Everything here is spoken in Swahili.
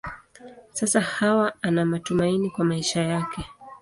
Sasa Hawa ana matumaini kwa maisha yake.